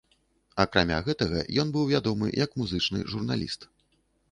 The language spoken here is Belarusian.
Акрамя гэтага, ён быў вядомы як музычны журналіст.